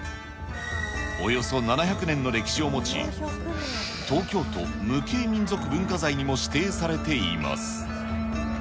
およそ７００年の歴史を持ち、東京都無形民俗文化財にも指定されています。